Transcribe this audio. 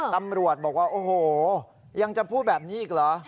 ตำรวจบอกว่าโอ้โหยังจะพูดแบบนี้อีกเหรอ